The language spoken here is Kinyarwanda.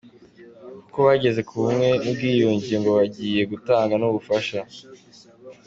Kuko bageze ku bumwe n’ubwiyunge ngo bagiye gutanga ubufasha